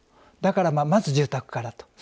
だから、まず住宅からと。